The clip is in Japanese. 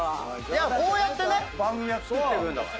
こうやってね番組は作っていくんだから。